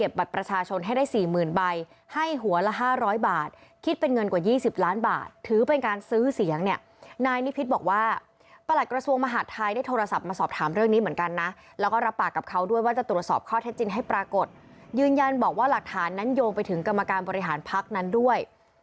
เวลาที่สุดท้ายเวลาที่สที่สุดท้ายเวลาที่สุดท้ายเวลาที่สุดท้ายเวลาที่สุดท้ายเวลาที่สุดท้ายเวลาที่สุดท้ายเวลาที่สุดท้ายเวลาที่สุดท้ายเวลาที่สุดท้ายเวลาที่สุดท้ายเวลาที่สุดท้ายเวลาที่สุดท้ายเวลาที่สุดท้ายเวลาที่สุดท้ายเวลาที่สุดท้ายเวลาที่สุดท้ายเวลาที่สุดท้ายเ